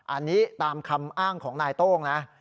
อันนี้ตามคำอ้างของนายโต้งนะ